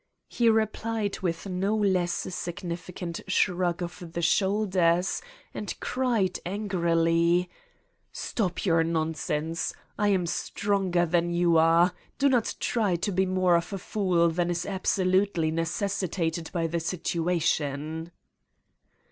He replied 217 Satan's Diary with no less a significant shrug of the shoulders and cried angrily :'' Stop your nonsense. I am stronger than you are. Do not try to be more of a fool than is abso lutely necessitated by the situation."